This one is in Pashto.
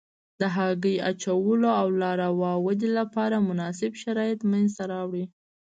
د هګۍ اچولو او لاروا ودې لپاره مناسب شرایط منځته راوړي.